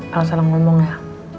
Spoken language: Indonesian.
kalau salah ngomong ya